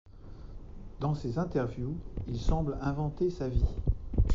Dans ses interviews, il semble inventer sa vie.